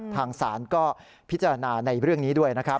ทางศาลก็พิจารณาในเรื่องนี้ด้วยนะครับ